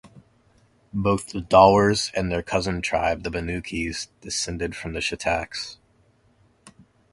Both the Dawars and their cousin tribe the Bannuchis descend from the Shitaks.